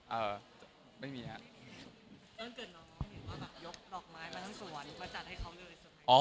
เออไม่มีนะครับ